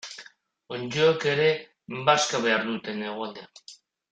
Onddoek ere bazka behar dute negualdian.